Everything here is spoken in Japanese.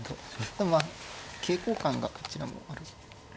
でもまあ桂交換がこっちでもある。